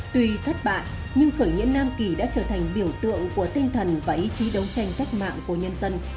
tùy thất bại nhưng khởi nghĩa nam kỳ đã trở thành biểu tượng của tinh thần và ý chí đấu tranh cách mạng của nhân dân